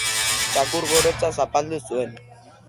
Txakur gorotza zapaldu zuen.